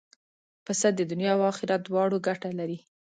پسه د دنیا او آخرت دواړو ګټه لري.